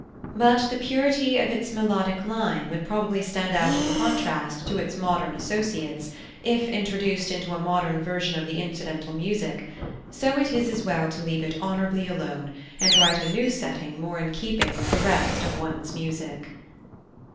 But the purity of its melodic line would probably stand out in contrast to its modern associates, if introduced into a modern version of the incidental music; so it is as well to leave it honourably alone, and write a new setting more in keeping with the rest of one's music.